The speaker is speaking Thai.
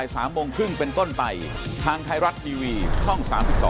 ต้องพึ่งเป็นต้นไปทางไทรัตน์ดีวีช่อง๓๒